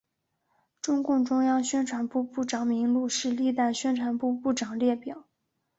中共中央宣传部部长名录是历任宣传部部长列表。